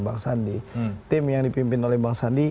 bang sandi tim yang dipimpin oleh bang sandi